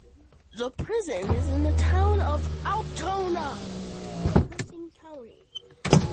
The prison is in the Town of Altona in Clinton County.